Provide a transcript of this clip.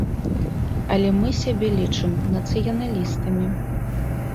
Але мы сябе лічым нацыяналістамі.